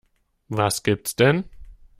Was gibt's denn?